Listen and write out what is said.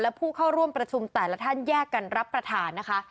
และผู้เข้าร่วมประชุมแต่ละท่านแยกกันรับประทานนะคะ